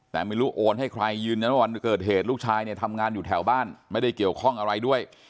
แต่ไม่รู้โอนให้ใครยืนยันว่าวันเกิดเหตุลูกชายเนี่ยทำงานอยู่แถวบ้านไม่ได้เกี่ยวข้องอะไรด้วย